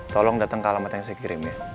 tolong datang ke alamat yang saya kirim ya